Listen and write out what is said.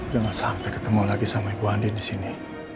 jangan sampai ketemu lagi sama ibu andi di sini